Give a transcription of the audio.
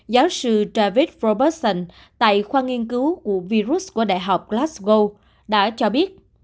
giáo sư david robertson tại khoa nghiên cứu của virus của đại học glasgow đã cho biết